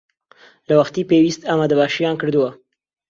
لە وەختی پێویست ئامادەباشییان کردووە